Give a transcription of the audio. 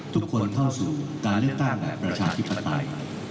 ทุกคนเข้าสู่การเลือกตั้งแบบประชาธิปไตย